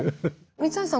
三橋さん